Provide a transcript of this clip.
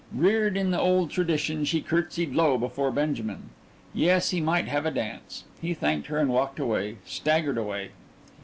Reared in the old tradition, she curtsied low before Benjamin. Yes, he might have a dance. He thanked her and walked away staggered away.